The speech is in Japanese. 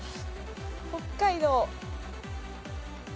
北海道。